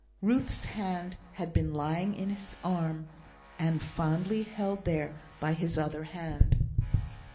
Ruth's hand had been lying in his arm, and fondly held there by his other hand.